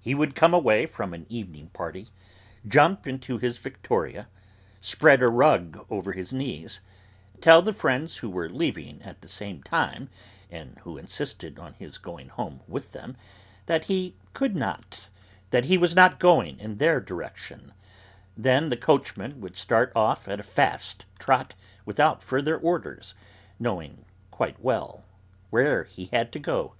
He would come away from an evening party, jump into his victoria, spread a rug over his knees, tell the friends who were leaving at the same time, and who insisted on his going home with them, that he could not, that he was not going in their direction; then the coachman would start off at a fast trot without further orders, knowing quite well where he had to go.